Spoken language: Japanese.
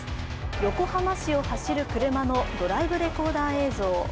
横浜市を走る車のドライブレコーダー映像。